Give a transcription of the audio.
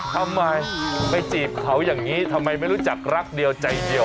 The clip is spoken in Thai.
ทำไมไปจีบเขาอย่างนี้ทำไมไม่รู้จักรักเดียวใจเดียว